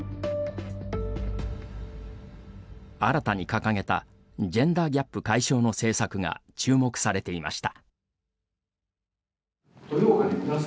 新たに掲げたジェンダーギャップ解消の政策が注目されていました。